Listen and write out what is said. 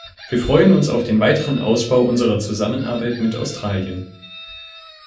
Wir freuen uns auf den weiteren Ausbau unserer Zusammenarbeit mit Australien.